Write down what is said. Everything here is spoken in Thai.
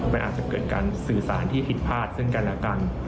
มันอาจจะเกิดการสื่อสารที่ผิดพลาดซึ่งกันและกัน